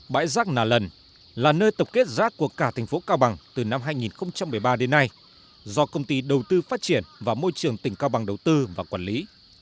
bãi rác nà lần là nơi tập kết rác của cả thành phố cao bằng từ năm hai nghìn một mươi ba đến nay do công ty đầu tư phát triển và môi trường tỉnh cao bằng đầu tư và quản lý